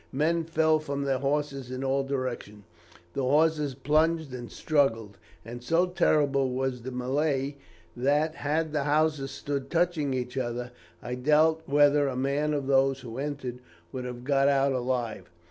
Men fell from their horses in all directions. The horses plunged and struggled, and so terrible was the mêlée that, had the houses stood touching each other, I doubt whether a man of those who entered would have got out alive.